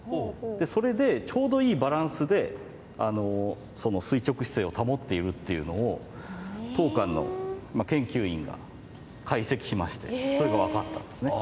でそれでちょうどいいバランスで垂直姿勢を保っているっていうのを当館の研究員が解析しましてそれが分かったんですね。